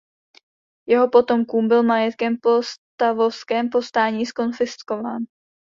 Jeho potomkům byl majetek po stavovském povstání zkonfiskován.